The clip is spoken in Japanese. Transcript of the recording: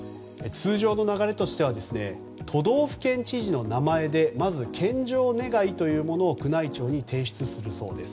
通常の流れとしては都道府県知事の名前でまず献上願いというものを宮内庁に提出するそうです。